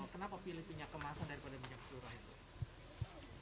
kenapa pilih minyak kemasan daripada minyak curah itu